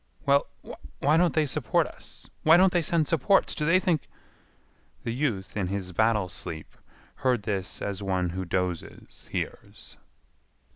"Well, why don't they support us? Why don't they send supports? Do they think—" The youth in his battle sleep heard this as one who dozes hears.